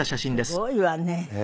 すごいわね。